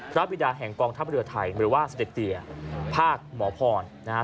พระอาบิดาแห่งกองทัพเรือไทยหรือว่าภาคหมอพรนะฮะ